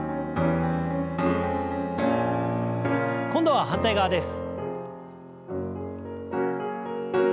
今度は反対側です。